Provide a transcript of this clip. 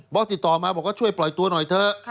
ติดต่อมาบอกว่าช่วยปล่อยตัวหน่อยเถอะ